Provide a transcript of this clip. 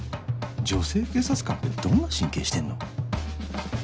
女性警察官ってどんな神経してんの？